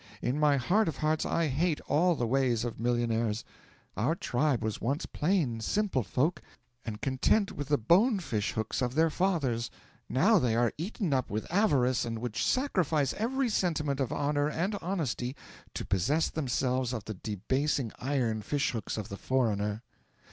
In my heart of hearts I hate all the ways of millionaires! Our tribe was once plain, simple folk, and content with the bone fish hooks of their fathers; now they are eaten up with avarice and would sacrifice every sentiment of honour and honesty to possess themselves of the debasing iron fish hooks of the foreigner.